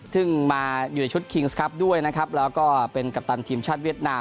ซึ่งมาอยู่ในชุดคิงส์ครับด้วยนะครับแล้วก็เป็นกัปตันทีมชาติเวียดนาม